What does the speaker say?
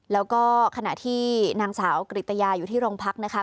แล้วก็ขณะที่นางสาวกริตยาอยู่ที่โรงพักนะคะ